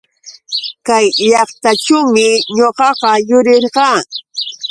Kay llaqtaćhuumi ñuqaqa yurirqaa.